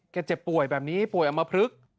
เจ็บป่วยแบบนี้ป่วยอำมพลึก